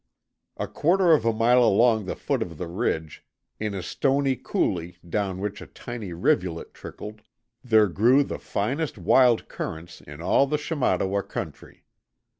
A quarter of a mile along the foot of the ridge, in a stony coulee down which a tiny rivulet trickled, there grew the finest wild currants in all the Shamattawa country.